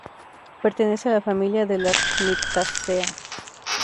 Pertenece a la familia de las ""Myrtaceae"".